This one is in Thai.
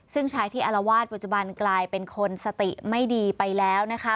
ซึ่งชายที่อารวาสปัจจุบันกลายเป็นคนสติไม่ดีไปแล้วนะคะ